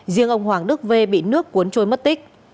riêng ông hoàng đức v bị nước cuốn trôi mất tích